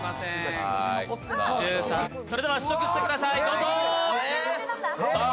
それでは試食してください。